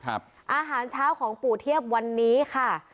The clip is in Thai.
อาหารเช้าของปู่เทียบวันนี้ค่ะ